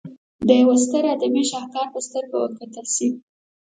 د یوه ستر ادبي شهکار په سترګه وکتل شي.